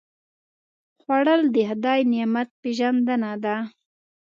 خوړل د خدای نعمت پېژندنه ده